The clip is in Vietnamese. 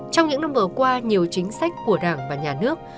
trong những năm vừa qua nhiều chính sách của đảng và nhà nước